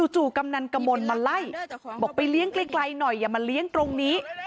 กำนันกระมวลมาไล่บอกไปเลี้ยงไกลหน่อยอย่ามาเลี้ยงตรงนี้